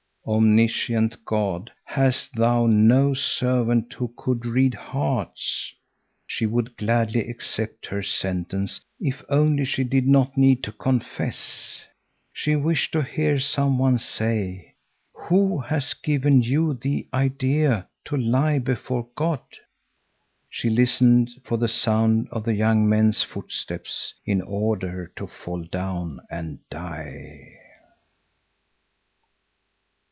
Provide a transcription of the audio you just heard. Omniscient God, hast Thou no servant who could read hearts? She would gladly accept her sentence, if only she did not need to confess. She wished to hear some one say: "Who has given you the idea to lie before God?" She listened for the sound of the young men's footsteps in order to fall down and die.